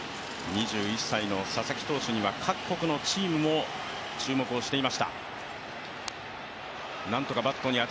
２１歳の佐々木投手には各国のチームも注目はしていました。